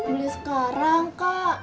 beli sekarang kak